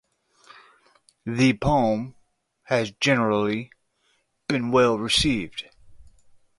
The poem has generally been well received.